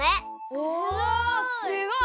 おすごい！